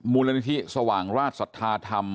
มูลนิธิสว่างราชศรัทธาธรรม